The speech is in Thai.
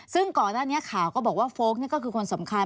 ซึ่งก่อนหน้านี้ข่าวก็บอกว่าโฟลกนี่ก็คือคนสำคัญ